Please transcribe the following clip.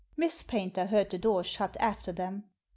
Miss Paynter heard the door shut after them.